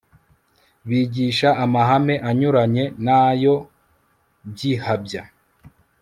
bigisha amahame anyuranye n'ayo by'ihabya